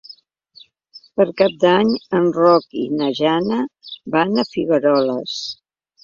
Per Cap d'Any en Roc i na Jana van a Figueroles.